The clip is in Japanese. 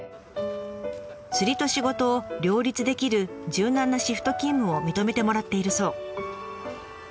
釣りと仕事を両立できる柔軟なシフト勤務を認めてもらっているそう。